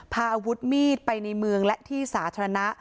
พาอาวุธมีดไปในเมืองและที่สาธารณะ